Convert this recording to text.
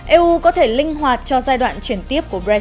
eu có thể linh hoạt cho giai đoạn chuyển tiếp của brexi